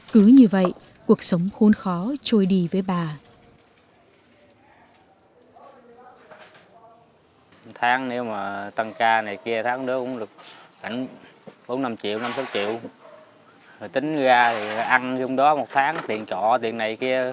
cứ như vậy cuộc sống khôn khó trôi đi với bà